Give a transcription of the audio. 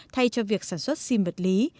thay cho việc sản xuất sim vật lý